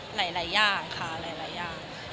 หลายอย่างค่ะหลายอย่าง